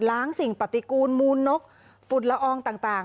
สิ่งปฏิกูลมูลนกฝุ่นละอองต่าง